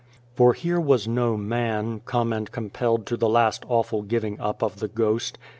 For here was no man, come and compelled to the last awful giving up of the ghost.